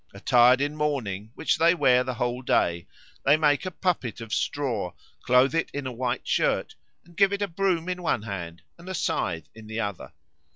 Attired in mourning, which they wear the whole day, they make a puppet of straw, clothe it in a white shirt, and give it a broom in one hand and a scythe in the other.